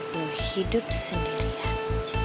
lu hidup sendirian